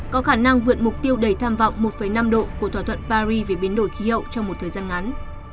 có khả năng vượt mục tiêu đầy tham vọng một năm độ của thỏa thuận paris về biến đổi khí hậu trong một thời gian ngắn